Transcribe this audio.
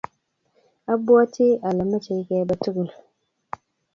abwatii ale meche kebek tugul.